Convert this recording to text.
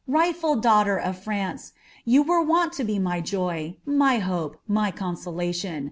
rightful daughter of France, you wera worn lo be my joy, my hope, my consolation.